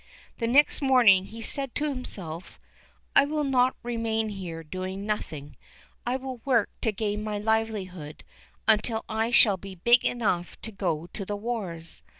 The next morning he said to himself, "I will not remain here doing nothing; I will work to gain my livelihood until I shall be big enough to go to the wars.